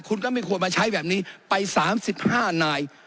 คุณก็ไม่ควรมาใช้แบบนี้ไปสามสิบห้านาย